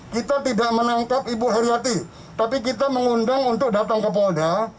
kita tidak menangkap ibu heriati tapi kita mengundang untuk datang ke polda